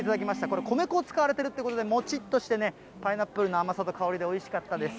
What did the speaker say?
これ、米粉を使われているということで、もちっとしてね、パイナップルの甘さと香りでおいしかったです。